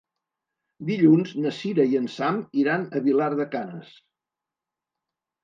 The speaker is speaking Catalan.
Dilluns na Cira i en Sam iran a Vilar de Canes.